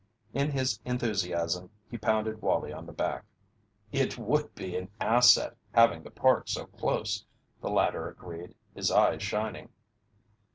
In his enthusiasm he pounded Wallie on the back. "It would be an asset, having the Park so close," the latter agreed, his eyes shining.